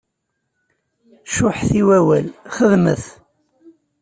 Cuḥḥet i wawal, xedmet!